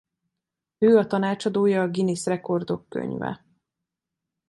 Ő a tanácsadója a Guinness Rekordok Könyve.